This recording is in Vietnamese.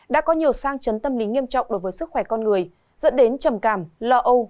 đã có nhiều sang chấn tâm lý nghiêm trọng đối với sức khỏe con người dẫn đến trầm cảm lo âu